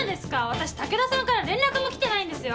私武田さんから連絡も来てないんですよ！